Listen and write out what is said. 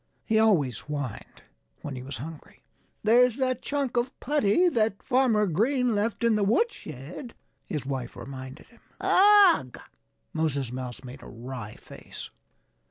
He always whined when he was hungry. "There's that chunk of putty that Farmer Green left in the woodshed," his wife reminded him. "Ugh!" Moses Mouse made a wry face.